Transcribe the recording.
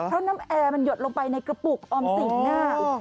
เพราะน้ำแอร์มันหยดลงไปในกระปุกออมสิน